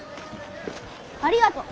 ありがとう。